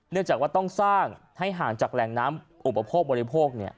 จากว่าต้องสร้างให้ห่างจากแหล่งน้ำอุปโภคบริโภค